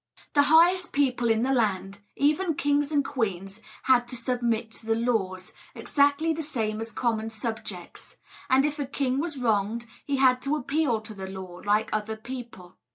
The highest people in the land, even kings and queens, had to submit to the laws, exactly the same as common subjects; and if a king was wronged, he had to appeal to the law, like other people.